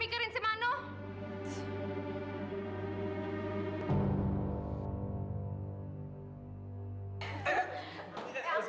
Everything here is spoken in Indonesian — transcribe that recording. terima kasih mas